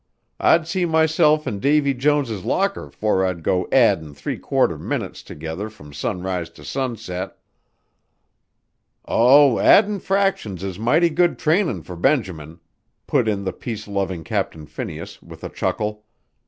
I'd see myself in Davie Jones's locker 'fore I'd go addin' three quarter minutes together from sunrise to sunset." "Oh, addin' fractions is mighty good trainin' for Benjamin," put in the peace loving Captain Phineas, with a chuckle.